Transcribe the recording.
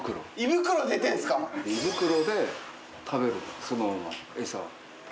胃袋で食べるそのまま餌は。